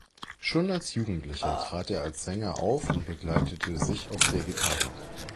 Schon als Jugendlicher trat er als Sänger auf und begleitete sich auf der Gitarre.